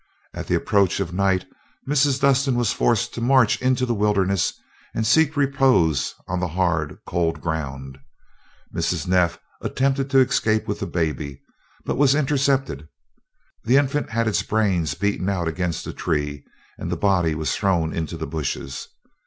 At the approach of night, Mrs. Dustin was forced to march into the wilderness and seek repose on the hard, cold ground. Mrs. Neff attempted to escape with the baby, but was intercepted. The infant had its brains beaten out against a tree, and the body was thrown into the bushes.